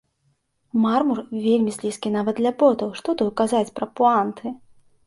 Мармур вельмі слізкі нават для ботаў, што тут казаць пра пуанты!